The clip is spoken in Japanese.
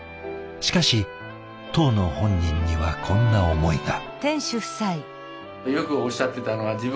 しかし当の本人にはこんな思いが。